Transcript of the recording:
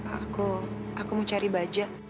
aku aku mau cari baja